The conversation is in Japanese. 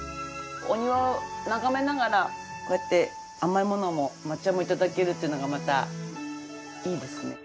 お庭を眺めながらこうやって甘いものも抹茶も頂けるというのがまたいいですね。